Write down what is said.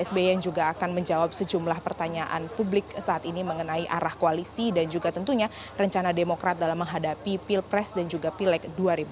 sby yang juga akan menjawab sejumlah pertanyaan publik saat ini mengenai arah koalisi dan juga tentunya rencana demokrat dalam menghadapi pilpres dan juga pileg dua ribu sembilan belas